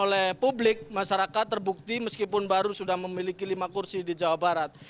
oleh publik masyarakat terbukti meskipun baru sudah memiliki lima kursi di jawa barat